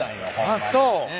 あっそう。